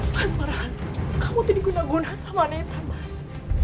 mas farhan kamu tidak guna guna sama neta mas